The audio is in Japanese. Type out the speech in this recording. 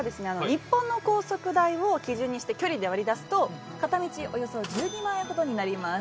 日本の高速代を基準にして距離で割り出すと片道およそ１２万円ほどになります。